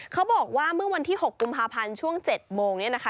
เขาบอกว่าเมื่อวันที่๖กุมภาพันธ์ช่วง๗โมงนี้นะคะ